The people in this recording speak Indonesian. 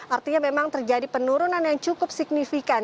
artinya memang terjadi penurunan yang cukup signifikan